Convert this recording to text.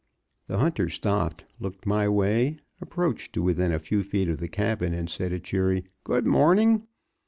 The hunter stopped, looked my way, approached to within a few feet of the cabin, and said a cheery "Good morning."